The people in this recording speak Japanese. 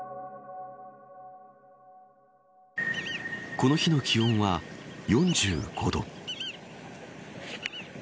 この日の気温は４５度。